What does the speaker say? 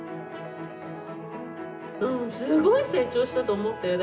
うんすごい成長したと思ったよ。